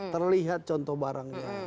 terlihat contoh barangnya